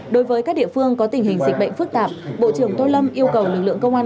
đối với các địa phương có tình hình dịch bệnh phức tạp bộ trưởng tô lâm yêu cầu lực lượng công an